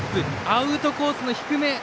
アウトコースの低め。